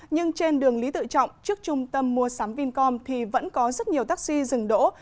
nhưng trên đường lý tự trọng trước trung tâm mua sắm vincom thì vẫn có rất nhiều taxi dừng đỗ